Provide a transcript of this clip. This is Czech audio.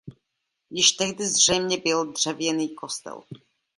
Již tehdy zde zřejmě byl dřevěný kostel.